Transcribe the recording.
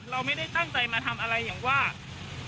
เราไม่ได้ตั้งใจมาทำอะไรอย่างว่า